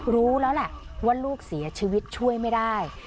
รู้แล้วแหละว่าลูกเสียชีวิตช่วยไม่ได้